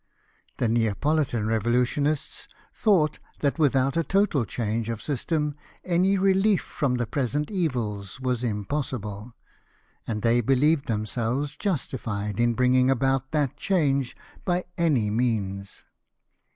The Neapolitan revolutionists thought that without a total change of system any relief from the present evils was impossible, and they believed themselves justified in bringing about that change by any means.